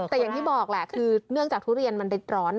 แต่อย่างที่บอกแหละคือเนื่องจากทุเรียนมันเด็ดร้อน